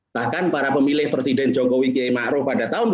bahkan para pemilih presiden mereka juga menolak penundaan pemilu